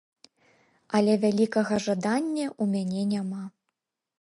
Але вялікага жадання ў мяне няма.